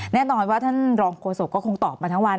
แน่นอนว่าท่านรองโฆษกก็คงตอบมาทั้งวัน